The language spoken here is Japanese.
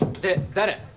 誰？